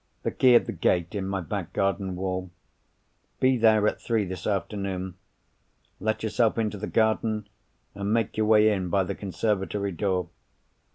"The key of the gate in my back garden wall. Be there at three this afternoon. Let yourself into the garden, and make your way in by the conservatory door.